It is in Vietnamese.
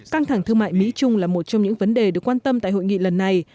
căng thẳng thương mại mỹ trung là một trong những vấn đề được quan tâm tại hội nghị lần này